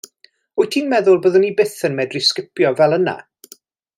Wyt ti'n meddwl byddwn i byth yn medru sgipio fel yna?